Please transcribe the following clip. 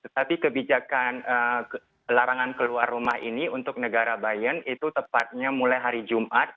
tapi kebijakan larangan keluar rumah ini untuk negara bayan itu tepatnya mulai hari jumat